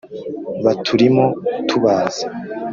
baturimo tubazi